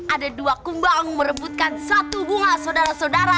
ada dua kumbang merebutkan satu bunga sodara sodara